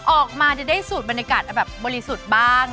ออกมาจะได้สูตรบรรยากาศแบบบริสุทธิ์บ้าง